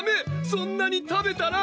そんなに食べたら！